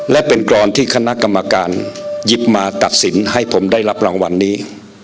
และเป็นกรอนที่คณะกรรมการหยิบมาตัดสินให้ผมได้รับรางวัลนี้